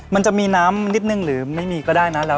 มันจะมีน้ำนิดนึงหรือไม่มีก็ได้นะ